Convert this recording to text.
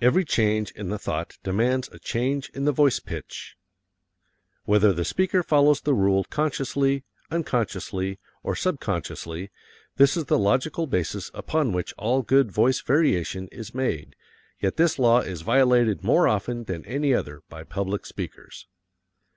Every Change in the Thought Demands a Change in the Voice Pitch Whether the speaker follows the rule consciously, unconsciously, or subconsciously, this is the logical basis upon which all good voice variation is made, yet this law is violated more often than any other by public speakers.